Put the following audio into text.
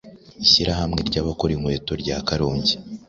ishyirahamwe ry’abakora inkweto rya Karongi